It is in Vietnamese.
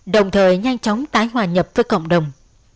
đồng thời nhanh chóng tái hòa nhập với cộng đồng